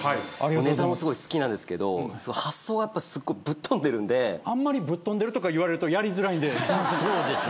ネタもすごい好きなんですけど発想がやっぱすごいぶっ飛んでるんで。あんまりぶっ飛んでるとか言われるとやりづらいんで。